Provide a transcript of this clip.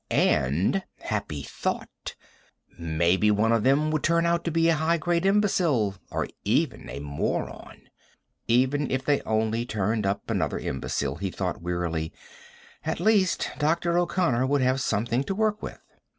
And happy thought! maybe one of them would turn out to be a high grade imbecile, or even a moron. Even if they only turned up another imbecile, he thought wearily, at least Dr. O'Connor would have something to work with.